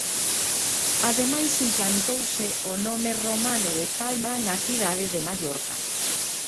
Ademais implantouse o nome romano de Palma na Cidade de Mallorca.